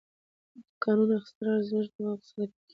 د کانونو استخراج به زموږ ملي اقتصاد پیاوړی کړي.